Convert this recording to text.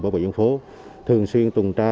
và bộ dân phố thường xuyên tuần tra